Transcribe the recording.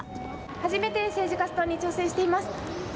初めて政治活動に挑戦しています。